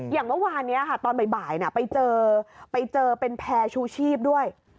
อย่างเมื่อวานนี้ค่ะตอนบ่ายไปเจอไปเจอเป็นแพร่ชูชีพด้วย